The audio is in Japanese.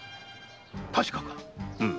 確かか？